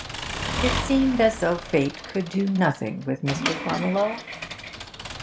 It seemed as though fate could do nothing with Mr. Farmiloe.